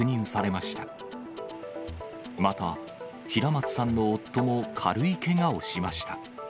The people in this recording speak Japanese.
また、平松さんの夫も軽いけがをしました。